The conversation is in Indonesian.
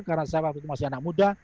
karena saya waktu itu masih anak muda